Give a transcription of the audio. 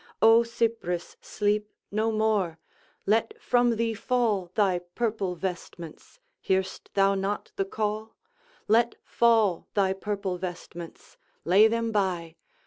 O Cypris, sleep no more! Let from thee fall Thy purple vestments hear'st thou not the call? Let fall thy purple vestments! Lay them by!